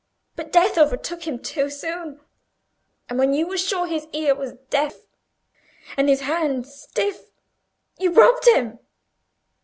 But death overtook him too soon, and when you were sure his ear was deaf, and his hand stiff, you robbed him."